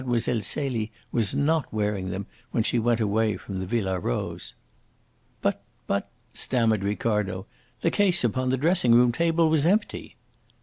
Mlle. Celie was not wearing them when she went away from the Villa Rose." "But but," stammered Ricardo, "the case upon the dressing room table was empty."